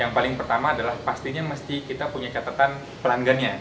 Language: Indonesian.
yang paling pertama adalah pastinya mesti kita punya catatan pelanggannya